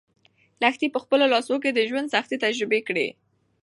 لښتې په خپلو لاسو کې د ژوند سختۍ تجربه کړې.